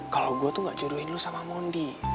kalo gue tuh enggak jodohin lo sama mondi